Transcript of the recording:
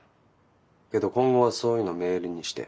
けど今後はそういうのメールにして。